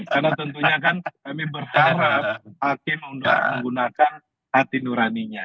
karena tentunya kami berharap akan menggunakan hati nuraninya